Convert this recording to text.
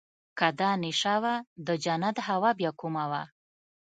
که دا نېشه وه د جنت هوا بيا کومه وه.